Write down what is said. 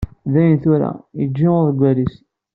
Dayen tura, yejji uḍeggal-is.